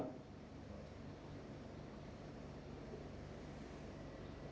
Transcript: hai bukan kan